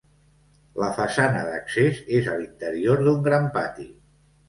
La façana d'accés és a l'interior d'un gran pati.